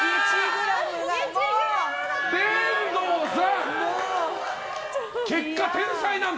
天童さん！